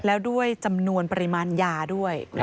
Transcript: แล้วด้วยจำนวนปริมาณยาด้วย